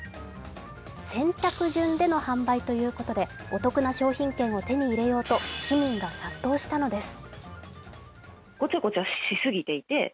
先着順での販売ということでお得な商品券を手に入れようと市民が殺到したのです。